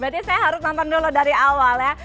berarti saya harus nonton dulu dari awal ya